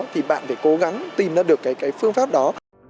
thì bạn phải cố gắng tìm ra được cái phương pháp đó